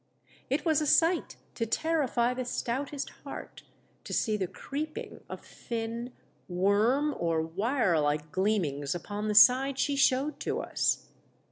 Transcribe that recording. It was a sight to terrify the stoutest heart to see the creeping of thin, worm or wire like gleamings upon the side she showed to us.